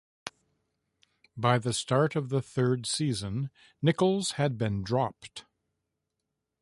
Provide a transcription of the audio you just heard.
By the start of the third season, Nichols had been dropped.